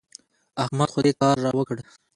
احمد خو دې کار را وکړ.